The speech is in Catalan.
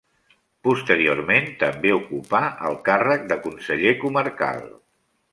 Posteriorment, també ocupà el càrrec de conseller comarcal.